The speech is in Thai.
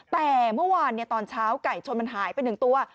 แต่เมื่อวานเนี่ยตอนเช้าไก่ชนมันหายไปหนึ่งตัว